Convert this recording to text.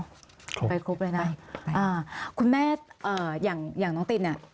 ไปครบเลยนะอ่าคุณแม่เอ่ออย่างอย่างน้องตินเนี่ย